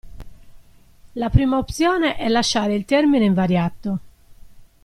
La prima opzione è lasciare il termine invariato.